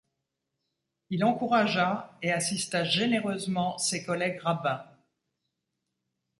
Il encouragea et assista généreusement ses collègues rabbins.